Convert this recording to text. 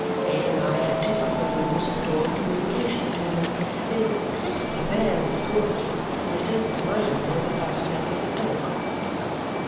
Ada and I had two upper rooms with a door of communication between. They were excessively bare and disorderly, and the curtain to my window was fastened up with a fork.